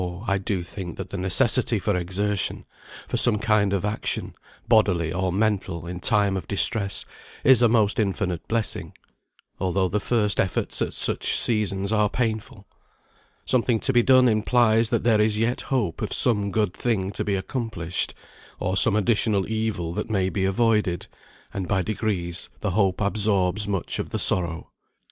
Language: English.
I do think that the necessity for exertion, for some kind of action (bodily or mental) in time of distress, is a most infinite blessing, although the first efforts at such seasons are painful. Something to be done implies that there is yet hope of some good thing to be accomplished, or some additional evil that may be avoided; and by degrees the hope absorbs much of the sorrow.